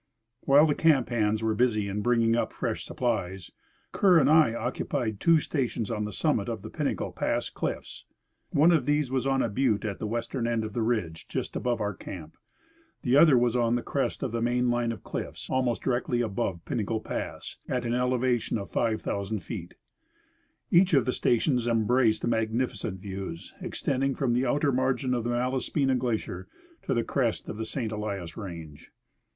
While the camp hands were busy in bringing up fresh supplies, Kerr and I occupied two stations on the summit of the Pinnacle pass cliffs. One of these was on a butte at the western end of the ridge and just above our camp ; the other was on the crest of the main line of cliffs almost directly above Pinnacle pass, at an elevation of 5,000 feet. Each of the stations embraced magnificent views, extending from the outer margin of the Malas pina glacier to the crest of the St. Elias range.